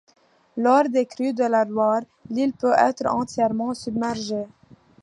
Lors des crues de la Loire, l'île peut être entièrement submergée.